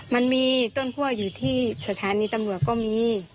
มันมีต้นคั่วอยู่ที่สถานีตำรวจก็มี